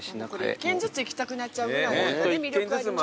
１軒ずつ行きたくなっちゃうぐらい魅力ありますね。